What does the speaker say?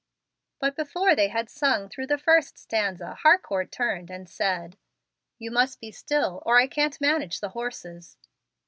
But before they had sung through the first stanza, Harcourt turned and said, "You must be still, or I can't manage the horses."